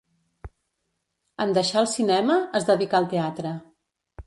En deixar el cinema, es dedicà al teatre.